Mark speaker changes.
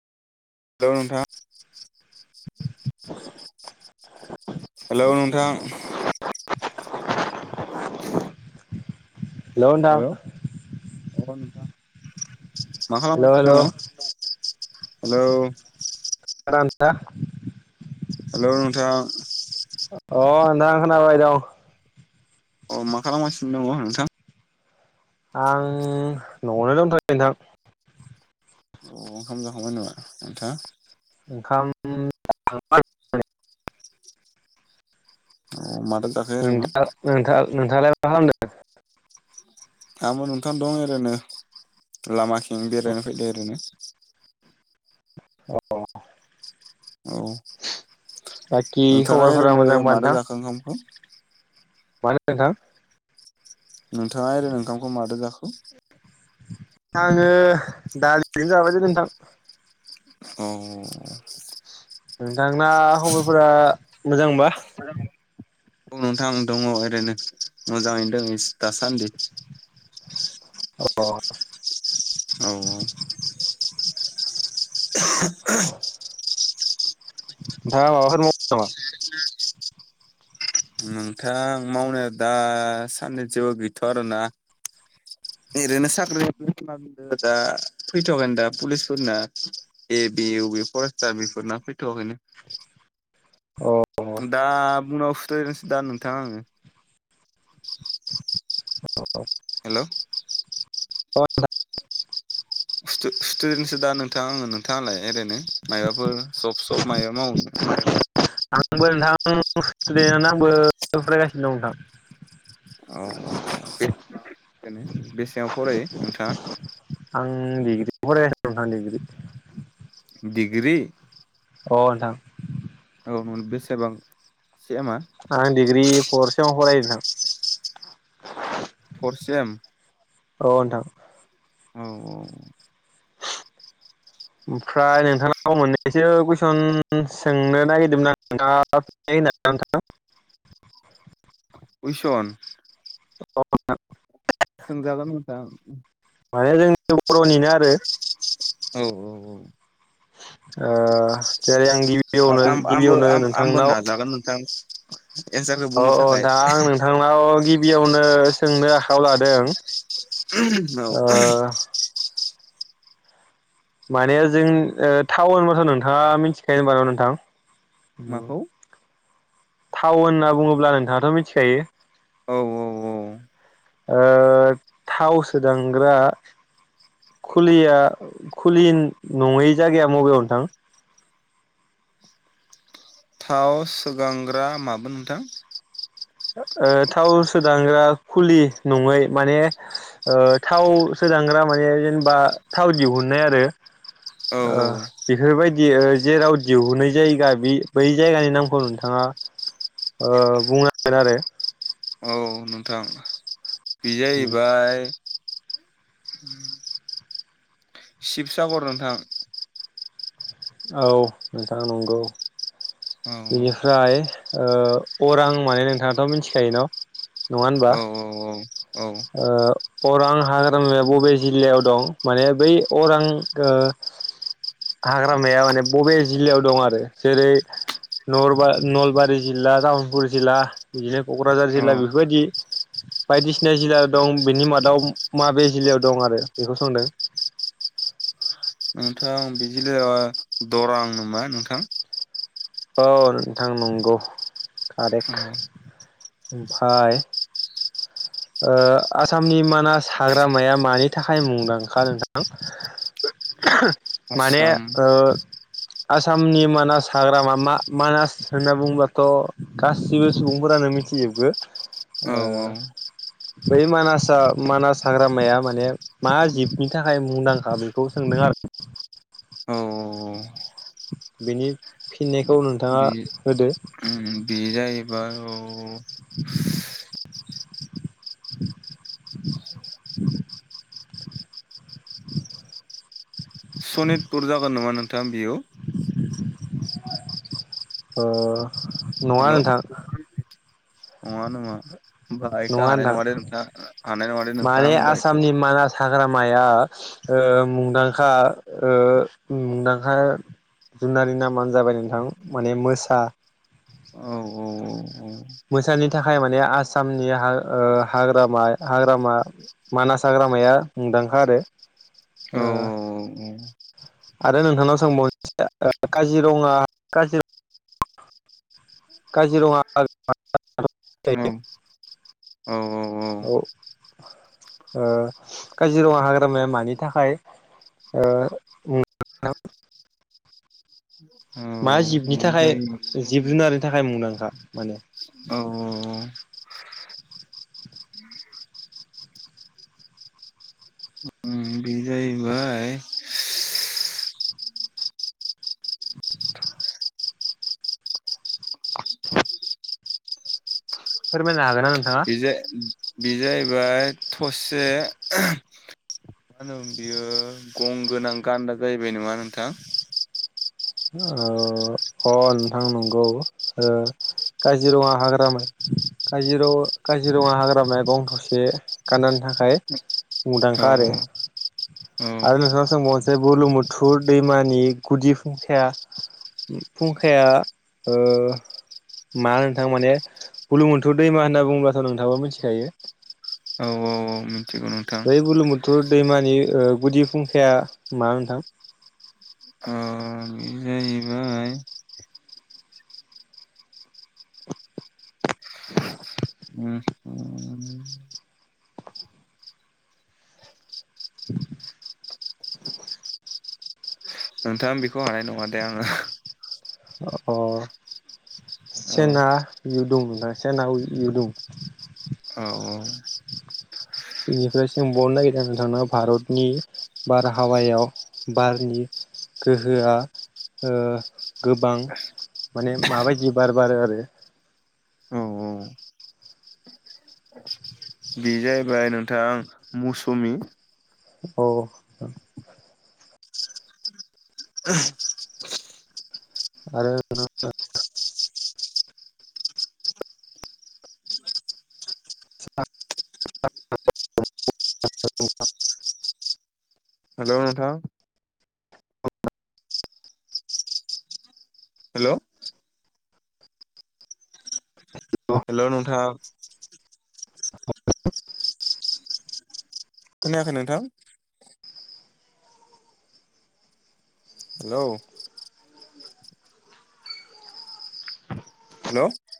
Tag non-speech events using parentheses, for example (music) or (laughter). Speaker 1: Hello नोंथां hello नोंथां।
Speaker 2: Hello नोंथां।
Speaker 1: अ नोंथां मा
Speaker 2: हेलौ
Speaker 1: खालामगासिनो
Speaker 2: हेलौ
Speaker 1: दङ? हेलौ
Speaker 2: खोनादोना?
Speaker 1: हेलौ नोंथां।
Speaker 2: अह नोंथां खोनाबाय दं।
Speaker 1: अह मा खालामगासिनो दङ नोंथां?
Speaker 2: आं न'आवनो दंथयो नोंथां।
Speaker 1: औ ओंखाम जाखांबाय नामा नोंथाङा?
Speaker 2: ओंखाम जाखांबाय (unintelligible)
Speaker 1: अह मा
Speaker 2: नोंथां नोंथां नोंथाङालाय मा खालामदों?
Speaker 1: आंबो नोंथां दं ओरैनो लामाथिं बेरायनो फैदो ओरैनो। औ
Speaker 2: बाखि
Speaker 1: नोंथाङा
Speaker 2: खबरफोरा
Speaker 1: ओरैनो
Speaker 2: मोजांबा
Speaker 1: मादो
Speaker 2: नोंथां
Speaker 1: जाखो ओंखामखौ? (inaudible)
Speaker 2: मानो नोंथां?
Speaker 1: नोंथाङा ओरैनो ओंखामखौ मादों जाखो?
Speaker 2: आङो दालिजोंनो जाबायलै नोंथां।
Speaker 1: अ अ अ
Speaker 2: नोंथांना खबरफोरा मोजांबा?
Speaker 1: ओं नोंथां दङ ओरैनो मोजाङैनो दङ इस दासान्दि। औ
Speaker 2: (inaudible) नोंथाङा माबाफोर माबाफोर मावो नामा?
Speaker 1: औ नोंथां मावनाया दा साननै जेबो गैथ'या आरोना ओरैनो साख्रि दा फैथ'वाखैनो दा पुलिसफोरना ए बि इउ बि फरेस्टार बेफोरना फैथ'वाखैनो। दा
Speaker 2: अ
Speaker 1: उनाव सुद्रायसै दां नोंथां आङो।
Speaker 2: औ
Speaker 1: हेलौ (unintelligible)
Speaker 2: (unintelligible)
Speaker 1: स्टु-स्टुदेन्टसो दा नोंथां आङो नोंथाङालाय ओरैनो माबाफोर जब सब मायबा मावो?
Speaker 2: आंबो नोंथां स्टुदेन्टानो आंबो फरायगासिनो दं नोंथां।
Speaker 1: औ औ औ बेनो बेसेबां फरायो नोंथाङा?
Speaker 2: उम डिग्रि फरायगासिनो दं दा‌ डिग्रि।
Speaker 1: डिग्रि?
Speaker 2: अ नोंथां।
Speaker 1: औ मोन बेसेबां? सेमा
Speaker 2: आं दिग्रि फर सेमाव फरायो। औ (unintelligible)
Speaker 1: फर सेम?
Speaker 2: अ नोंथां।
Speaker 1: औ औ।
Speaker 2: ओमफ्राय नोंथांनाव मोननैसो कुइसन उम सोंनो नागिरदोंमोन आं नोंथाङा (unintelligible)
Speaker 1: कुइसन?
Speaker 2: औ नोंथां।
Speaker 1: जागोन नोंथां उम
Speaker 2: माने जोंनि बर'निनो आरो
Speaker 1: औ औ औ
Speaker 2: ओ जेरै आं
Speaker 1: औ
Speaker 2: गिबियावनो
Speaker 1: आंबो
Speaker 2: गिबियावनो
Speaker 1: आंबो
Speaker 2: नोंथांनाव
Speaker 1: नाजागोन नोंथां एन्सारखौ
Speaker 2: अ
Speaker 1: बुंनो
Speaker 2: अ
Speaker 1: थाखाय
Speaker 2: नोंथां आं नोंथांनाव गिबियावनो स सोंनो आखायाव लादों।
Speaker 1: (unintelligible) औ
Speaker 2: ओ माने जों ओ थाउन होनबाथ' नोंथाङा मिथिखायो होमबा न नोंथां?
Speaker 1: माखौ?
Speaker 2: थाउन होनना बुङोब्ला नोंथाङाथ' मिथिखायो?
Speaker 1: औ औ औ
Speaker 2: ओ थाव सोदांग्रा खुलिया खुलिन नङै जायगाया मबेयाव नोंथां?
Speaker 1: थाव सोगांग्रा मामोन नोंथां?
Speaker 2: ओ ओ थाव सोदांग्रा खुलि नङै माने ओ थाव सोदांग्रा माने जेनेबा थाव दिहुननाय आरो
Speaker 1: औ
Speaker 2: ओ
Speaker 1: औ
Speaker 2: बेफोरबायद दियो जेराव दिहुननाय जायगा बे बै जायगानि नामखौ नोंथाङा ओ बुंना गोन आरो
Speaker 1: अ नोंथां बे जाहैबाय उम हो (unintelligible) शिबसागर नोंथां।
Speaker 2: औ नोंथां नंगौ।
Speaker 1: औ
Speaker 2: बेनिफ्राय ओ अरां माने नोंथाङाथ' मिथिखायो न? नङा होनबा
Speaker 1: औ औ औ औ
Speaker 2: ओ अरां हाग्रामाया बबे जिल्लायाव दं माने बै अरां गो हाग्रामाया माने बबे जिल्लायाव दं आरो जेरै नरबा नलबारि जिल्ला तामुलपुर जिल्ला बिदिनो क'क्राझार
Speaker 1: औ
Speaker 2: जिल्ला बेफोरबायदि बायदिस (unintelligible) जिला दं बेनि मादाव माबे जिलायाव दं आरो बेखौ सोंदों।
Speaker 1: नोंथां (unintelligible) दरां नामा नोंथां
Speaker 2: औ नोंथां नंगौ कारेक
Speaker 1: औ
Speaker 2: ओमफाय ओ आसामनि मानास हाग्रामाया मानि थाखाय मुंदांखा नोंथां? माने
Speaker 1: आसाम
Speaker 2: ओ आसामनि मानास हाग्रामा मा मानास होनना बुङोब्लाथ' गासिबो सुबुंफोरानो मिथिजोबगो
Speaker 1: औ
Speaker 2: ओ
Speaker 1: औ
Speaker 2: बै मानासा मानास हाग्रामाया माने मा जिबनि थाखाय मुंदांखा बेखौ सोंदों आरो
Speaker 1: औ
Speaker 2: बेनि फिननायखौ नोंथाङा होदो
Speaker 1: जायोबा औ
Speaker 2: (inaudible) (inaudible)
Speaker 1: सनितपुर जागोन नामा नोंथां बेयो
Speaker 2: अ नङा
Speaker 1: हेल'
Speaker 2: नोंथां
Speaker 1: नङा नङा होमबा एखो हानाय नङा दे नोंथां हानाय नङा दे नोंथां होमबा एखौ।
Speaker 2: ग्रामाया ओ मुंदांखा ओ मुंदांखा जुनारनि नामानो जाबाय नोंथां माने मोसा
Speaker 1: औ
Speaker 2: मोसानि थाखाय माने आसामनि हा ओ हाग्रामा हाग्रामा मानास हाग्रामाया मुंदांखा आरो
Speaker 1: औ
Speaker 2: ओ आरो नोंथांनाव (unintelligible) काजिरङा काजिर काजिरङा (inaudible)
Speaker 1: औ
Speaker 2: औ ओ काजिरङा हाग्रामाया मानि थाखाय ओ (inaudible)
Speaker 1: औ
Speaker 2: मा जिबनि
Speaker 1: बे
Speaker 2: थाखाय
Speaker 1: जायो
Speaker 2: जिब जुनारनि थाखाय मुंदांखा माने?
Speaker 1: औ औ बे जाहैबाय
Speaker 2: फोरमायनो हागोन ना नों
Speaker 1: बे जे बे जाहैबाय थसे मा होनोमोन बियो गं गोनां गान्दा जाहैबाय नङा नोंथां?
Speaker 2: अ अ नोंथां नंगौ ओ काजिरङा हाग्रामा काजिरं काजिरङा हाग्रामाया गं थसे गान्दानि थाखाय
Speaker 1: औ
Speaker 2: मुंदांखा आरो
Speaker 1: औ
Speaker 2: आरो (unintelligible) सोंबाव जाय बुर्लुंबुथुर दैमानि गुदि फुं खाया फुंखाया ओ मा नोंथां माने बुर्लुंबुथुर दैमा होनना बुङोबाथ' नोंथाङाबो मिथिखायो
Speaker 1: औ औ औ उम
Speaker 2: बै बुर्लुंबुथुर दैमा नि ओ गुदि फुंखाया मा नोंथां?
Speaker 1: अ नोंथां आं बिखौ हानाय नङा दे आङो
Speaker 2: अ
Speaker 1: औ
Speaker 2: चेना इउ दंदां सेना (unintelligible) इयो दुं
Speaker 1: औ
Speaker 2: बेनिफ्राय सोंबावनो नागिरदों नोंथांनाव भारतनि बारहावायाव बारनि गोहोआ ओ गोबां माने माबायदि बार बारो आरो
Speaker 1: औ बे जाहैबाय नोंथां मौसुमि
Speaker 2: अ
Speaker 1: (unintelligible)
Speaker 2: आरो (inaudible) (inaudible)
Speaker 1: हेलौ नोंथां। हेल' हेलौ नोंथां खोनायाखै नोंथां? Hello hello